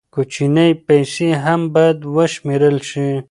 کوچنۍ پیسې هم باید وشمېرل شي.